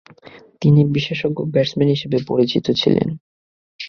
তিনি বিশেষজ্ঞ ব্যাটসম্যান হিসেবে পরিচিত ছিলেন।